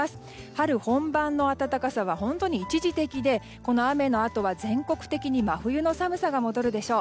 春本番の暖かさは本当に一時的でこの雨のあとは、全国的に真冬の寒さが戻るでしょう。